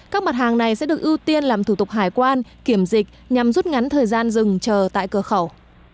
các mặt hàng này sẽ được ưu tiên làm thủ tục hải quan kiểm dịch nhằm rút ngắn thời gian dừng chờ tại cửa khẩu